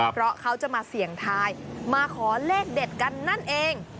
เพราะเขาจะมาเสี่ยงทายมาขอเลขเด็ดกันนั่นเอง